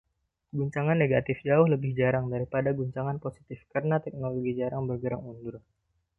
Guncangan negatif jauh lebih jarang daripada guncangan positif karena teknologi jarang bergerak mundur.